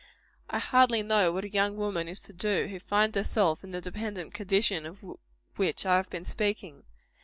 I hardly know what a young woman is to do, who finds herself in the dependent condition of which I have been speaking.